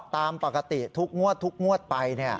ตามปกติทุกงวดไป